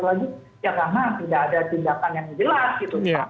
dan nggak ada gantinya